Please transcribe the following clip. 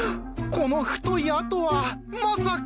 この太い跡はまさか！